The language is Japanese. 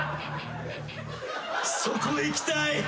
そこへ行きたい！